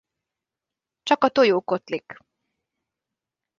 Csak a tojó kotlik.